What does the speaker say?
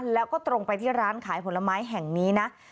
แล้วก็ตรงไปที่ร้านขายผลไม้แห่งนี้นะ